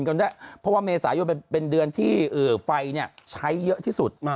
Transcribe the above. กันได้เพราะว่าเมษายนเป็นเดือนที่ไฟใช้เยอะที่สุด